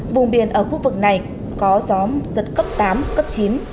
vùng biển ở khu vực này có gió giật cấp tám cấp chín